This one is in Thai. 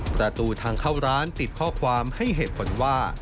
ประตูทางเข้าร้านติดข้อความให้เหตุผลว่า